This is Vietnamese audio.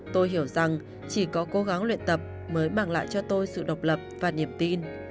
tôi hiểu rằng chỉ có cố gắng luyện tập mới mang lại cho tôi sự độc lập và niềm tin